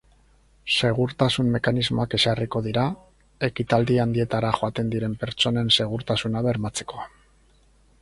Segurtasun mekanismoak ezarriko dira, ekitaldi handietara joaten diren pertsonen segurtasuna bermatzeko.